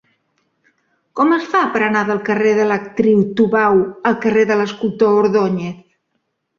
Com es fa per anar del carrer de l'Actriu Tubau al carrer de l'Escultor Ordóñez?